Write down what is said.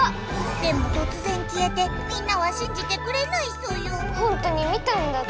でもとつぜんきえてみんなはしんじてくれないソヨほんとに見たんだって。